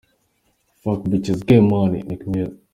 Fuck Bitches get money – Meek Mill.